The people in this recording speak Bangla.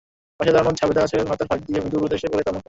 পাশে দাঁড়ানো ছবেদা গাছের পাতার ফাঁক দিয়ে মৃদু রোদ এসে পড়ে তার মুখে।